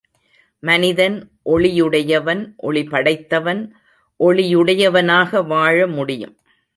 மனிதன் ஒளியுடையவன் ஒளிபடைத்தவன் ஒளியுடையவனாக வாழ முடியும்.